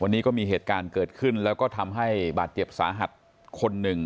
วันนี้ก็มีเหตุการณ์เกิดขึ้นแล้วก็ทำให้บาดเจ็บสาหัสคนหนึ่ง